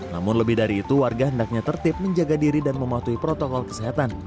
namun lebih dari itu warga hendaknya tertip menjaga diri dan mematuhi protokol kesehatan